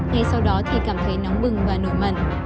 ngay sau đó thì cảm thấy nóng bừng và nổi mẩn